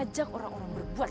tapi ada air terkuat